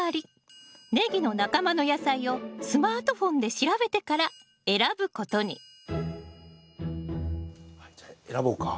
ネギの仲間の野菜をスマートフォンで調べてから選ぶことにじゃあ選ぼうか。